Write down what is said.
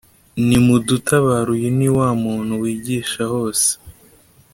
nimudutabare Uyu ni wa muntu wigisha hose